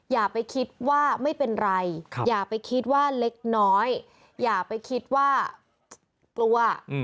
อย่าไปคิดว่าไม่เป็นไรอย่าไปคิดว่าเล็กน้อยอย่าไปคิดว่ากลัว